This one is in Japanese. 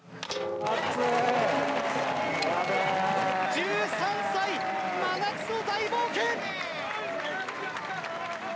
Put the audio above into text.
１３歳、真夏の大冒険！